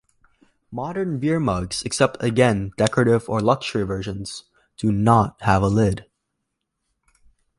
Modern beer mugs, except again decorative or luxury versions, do not have a lid.